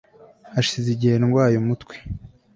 hashize igihe ndwaye umutwe